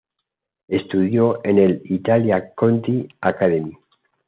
Estudió en el "Italia Conti Academy".